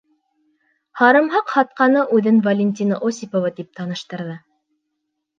Һарымһаҡ һатҡаны үҙен Валентина Осипова тип таныштырҙы.